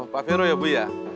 pak vero ya bu ya